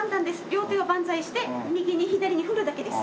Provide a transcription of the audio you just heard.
両手を万歳して右に左に振るだけです。